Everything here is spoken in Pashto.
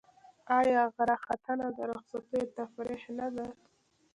آیا غره ختنه د رخصتیو تفریح نه ده؟